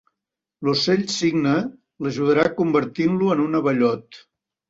L'Ocell Cigne l'ajudarà convertint-lo en un abellot.